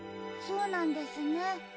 そうなんですね。